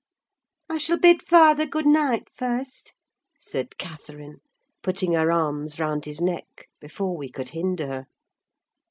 "I shall bid father good night first," said Catherine, putting her arms round his neck, before we could hinder her.